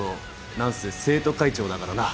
何せ生徒会長だからな。